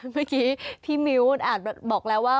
เมื่อกี้พี่มิ้วอาจบอกแล้วว่า